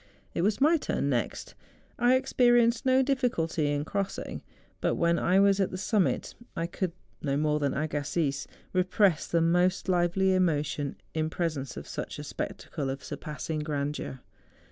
It was my turn next; I ex¬ perienced no difficulty in crossing, but when I was at the summit I could, no more than Agassiz, re¬ press the most lively emotion in presence of such a spectacle of surpassing grandeur.